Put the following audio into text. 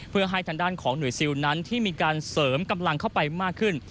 เพื่อให้ทางด้านของหน่วยซิลนั้นที่มีการเสริมกำลังเข้าไปมากขึ้น